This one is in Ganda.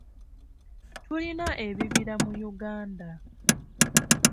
Tulina ebibira mu Uganda.